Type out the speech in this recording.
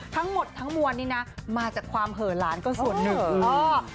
ทั้งหมดทั้งมวลนี้นะมาจากความเหอะหลานก็ส่วนหนึ่ง